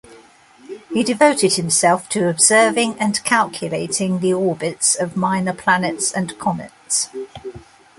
He devoted himself to observing and calculating the orbits of minor planets and comets.